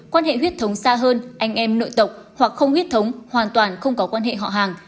quan hệ huyết thống xa hơn anh em nội tộc hoặc không huyết thống hoàn toàn không có quan hệ họ hàng